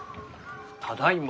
ただいま。